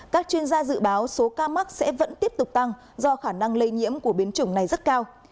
các chuyên gia dự báo số ca mắc sẽ vẫn tiếp tục tăng do khả năng lây nhiễm của biến chủng này rất cao